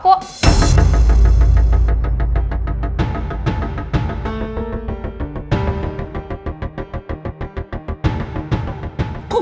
kok gak tau